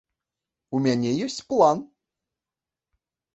У мяне ёсць план.